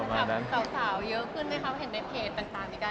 สาวเยอะขึ้นไหมคะเห็นในเภสต์เปล่าในการต้องตัวอย่างงี้